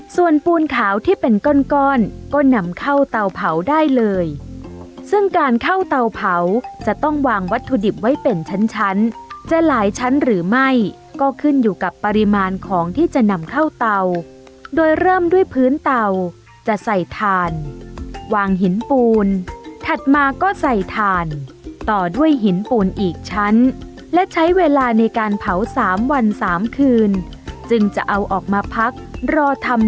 ส่วนปูนขาวที่เป็นก้อนก้อนก็นำเข้าเตาเผาได้เลยซึ่งการเข้าเตาเผาจะต้องวางวัตถุดิบไว้เป็นชั้นจะหลายชั้นหรือไม่ก็ขึ้นอยู่กับปริมาณของที่จะนำเข้าเตาโดยเริ่มด้วยพื้นเตาจะใส่ถ่านวางหินปูนถัดมาก็ใส่ถ่านต่อด้วยหินปูนอีกชั้นและใช้เวลาในการเผาสามวันสามคืนจึงจะเอาออกมาพักรอทำ